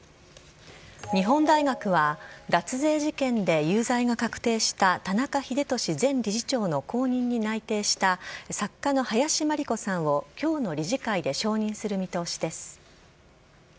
日本大学は脱税事件で有罪が確定した田中英寿前理事長の後任に内定した作家の林真理子さんを今日の理事会で承認する見通しです。